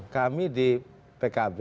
kami di pkb